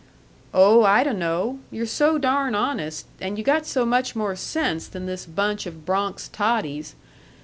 "Oh, I dun'no'; you're so darn honest, and you got so much more sense than this bunch of Bronx totties.